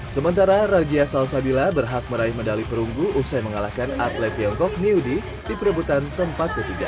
sementara rajia salsabila berhak meraih medali perunggu usai mengalahkan atlet tiongkok miudi di perebutan tempat ketiga